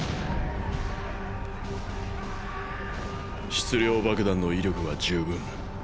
質量爆弾の威力は十分。